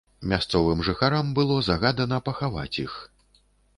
Мясцовым жыхарам было загадана пахаваць іх.